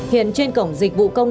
hiện trên cổng dịch vụ công